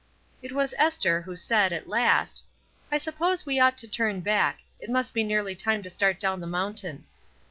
It was Esther who said, at last: "I suppose we ought to turn back; it must be nearly time to start down the mountain."